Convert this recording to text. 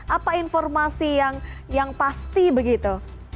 apa informasi yang pasti begitu